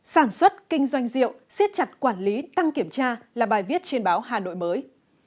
sản xuất kinh doanh rượu siết chặt quản lý tăng kiểm tra là bài viết trên báo hà nội mới